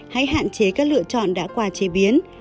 hãy hạn chế các lựa chọn đã qua chế biến